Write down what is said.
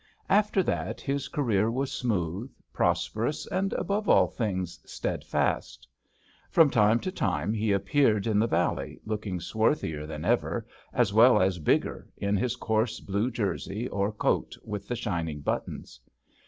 After that, his career was smooth, pros perous, and, above all things, steadfast. From time to time he appeared in the valley, looking swarthier than ever, as well as bigger, in his coarse blue jersey or coat with the shining buttons.